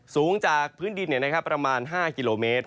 สูงจากพื้นดินประมาณ๕กิโลเมตร